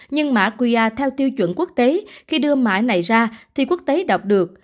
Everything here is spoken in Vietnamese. nhưng mã qr theo tiêu chuẩn quốc tế khi đưa mã này ra thì quốc tế đọc được